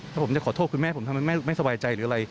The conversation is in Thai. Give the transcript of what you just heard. ถ้าผมจะขอโทษคุณแม่ผมทำให้แม่ไม่สบายใจหรืออะไร